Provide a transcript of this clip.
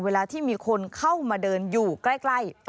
เวลาที่มีคนเข้ามาเดินอยู่ใกล้